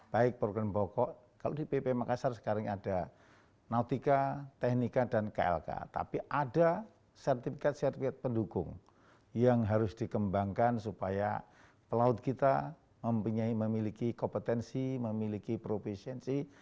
baik program pokok kalau di pp makassar sekarang ada nautika teknika dan klk tapi ada sertifikat sertifikat pendukung yang harus dikembangkan supaya pelaut kita memiliki kompetensi memiliki profesiensi